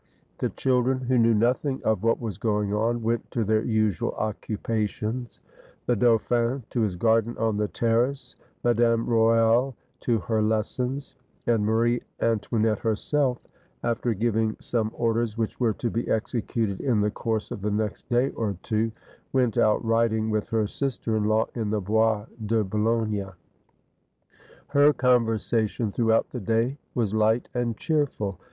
The children, who knew nothing of what was going on, went to their usual occupations: the dauphin to his garden on the terrace; Madame Royal to her lessons : and Marie Antoinette herself, after giving 296 THE FLIGHT OF LOUIS XVI some orders which were to be executed in the course of the next day or two, went out riding with her sister in law in the Bois de Boulogne. Her conversation through out the day was light and cheerful.